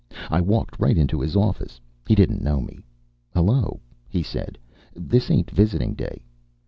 I walked right into his office. He didn't know me. "Hello," he said, "this ain't visiting day."